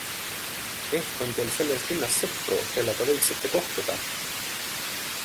Ehk on teil selles linnas sõpru, kellega võiksite kohtuda?